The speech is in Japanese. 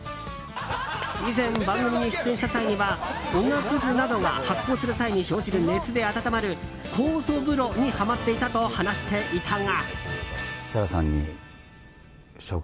以前、番組に出演した際はおがくずなどが発酵する際に生じる熱で温まる酵素風呂にハマっていたと話していたが。